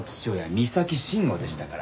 三崎慎吾でしたから。